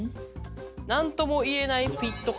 何ともいえないフィット感。